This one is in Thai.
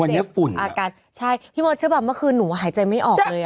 วันนี้ฝุ่นอาการใช่พี่มดเชื่อแบบเมื่อคืนหนูหายใจไม่ออกเลยอ่ะ